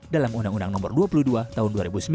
dalam undang undang nomor dua puluh dua tahun dua ribu sembilan